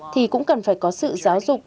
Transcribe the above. thì cũng cần phải có sự giáo dục